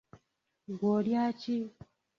Gwe olya ki?